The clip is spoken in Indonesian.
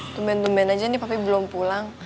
tumben tumben aja nih papi belum pulang